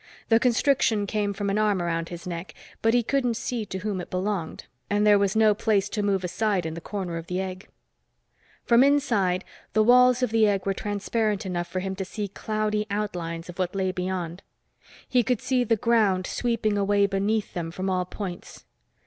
The constriction came from an arm around his neck, but he couldn't see to whom it belonged, and there was no place to move aside in the corner of the egg. From inside, the walls of the egg were transparent enough for him to see cloudy outlines of what lay beyond. He could see the ground sweeping away beneath them from all points.